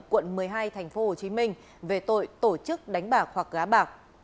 quận một mươi hai tp hcm về tội tổ chức đánh bạc hoặc gá bạc